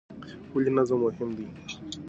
ولې نظم مهم دی؟